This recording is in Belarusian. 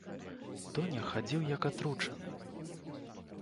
Тоня хадзіў як атручаны.